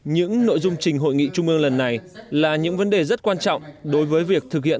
những nội dung trình hội nghị trung ương lần này là những vấn đề rất quan trọng đối với việc thực hiện